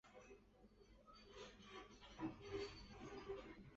两条重链在铰链区通过二硫键相连。